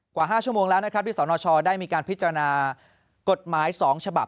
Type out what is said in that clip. กว่า๕ชั่วโมงแล้วนะครับที่สนชได้มีการพิจารณากฎหมาย๒ฉบับ